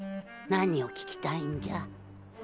何を聞きたいんじゃ？